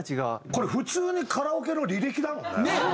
これ普通にカラオケの履歴だもんね。